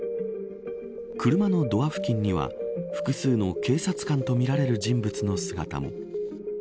車のドア付近には複数の警察官とみられる人物の姿も。